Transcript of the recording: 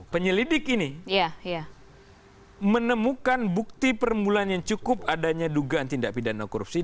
penyelidik ini menemukan bukti permulaan yang cukup adanya dugaan tindak pidana korupsi